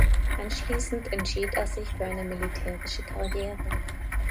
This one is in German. Anschließend entschied er sich für eine militärische Karriere.